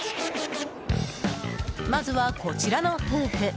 まずは、こちらの夫婦。